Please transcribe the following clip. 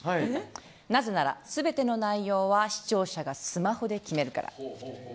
なぜなら全ての内容は視聴者がスマホで決めるから。